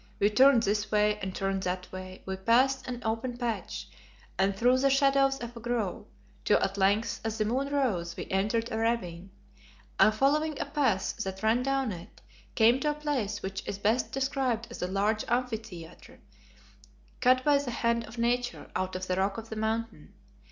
We turned this way and turned that way, we passed an open patch and through the shadows of a grove, till at length as the moon rose we entered a ravine, and following a path that ran down it, came to a place which is best described as a large amphitheatre cut by the hand of nature out of the rock of the Mountain.